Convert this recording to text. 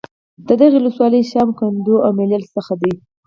د دغې ولسوالۍ شام ، کندو او ملیل څخه د